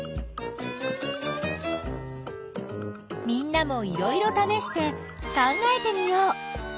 みんなもいろいろためして考えてみよう。